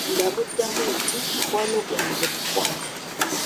Nnamuddamu nti mukwano gwange bukwano.